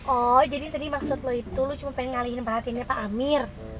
oh jadi tadi maksud lo itu lu cuma pengen ngalihin perhatiannya pak amir